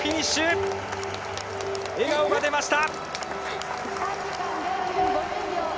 笑顔が出ました！